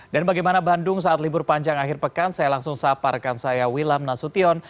dan bagaimana bandung saat libur panjang akhir pekan saya langsung sapa rekan saya wilam nasution